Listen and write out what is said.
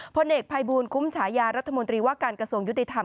พลเอกภัยบูลคุ้มฉายารัฐมนตรีว่าการกระทรวงยุติธรรม